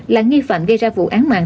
là nghi phạm gây ra vụ án mạng